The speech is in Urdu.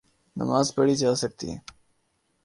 نماز پڑھی جاسکتی ہے۔